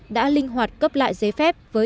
đã linh hoạt cấp lại giấy phép với